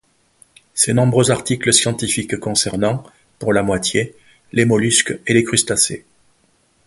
Ses nombreux articles scientifiques concernent, pour la moitié, les mollusques et les crustacés.